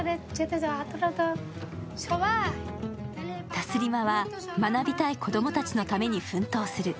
タスリマは学びたい子供たちのために奮闘する。